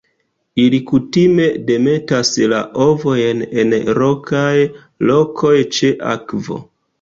Ili kutime demetas la ovojn en rokaj lokoj ĉe akvo.